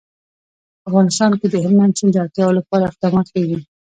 افغانستان کې د هلمند سیند د اړتیاوو لپاره اقدامات کېږي.